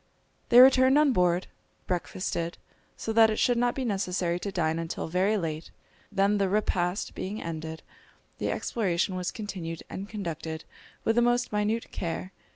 They returned on board, breakfasted, so that it should not be necessary to dine until very late; then the repast being ended, the exploration was continued and conducted with the most minute care.